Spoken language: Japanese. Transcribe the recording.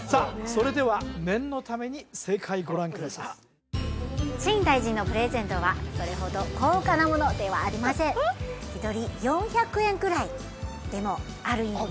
それでは念のために正解ご覧ください陳大臣のプレゼントはそれほど高価なものではありません一人４００円くらいでもある意味